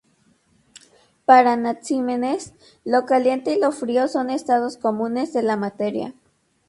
Para Anaxímenes lo caliente y lo frío son estados comunes de la materia.